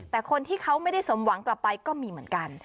แต่คนที่เขาไม่ได้สมหวังกลับไปก็มีเหมือนกัน